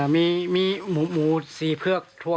มันจะมี๙ตัว